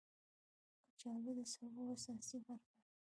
کچالو د سبو اساسي برخه ده